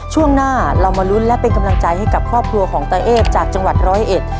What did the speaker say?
ช่วงหน้าเรามาลุ้นและเป็นกำลังใจให้กับครอบครัวของตาเอฟจากจังหวัดร้อยเอ็ด